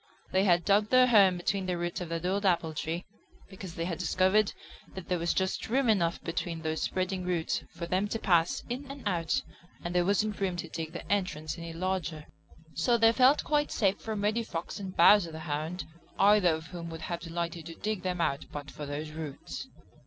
They had dug their home between the roots of that old apple tree because they had discovered that there was just room enough between those spreading roots for them to pass in and out, and there wasn't room to dig the entrance any larger. So they felt quite safe from Reddy Fox; and Bowser the Hound, either of whom would have delighted to dig them out but for those roots.